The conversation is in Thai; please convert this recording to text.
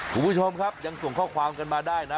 คุณผู้ชมครับยังส่งข้อความกันมาได้นะ